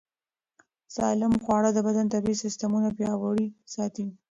سالم خواړه د بدن طبیعي سیستمونه پیاوړي ساتي.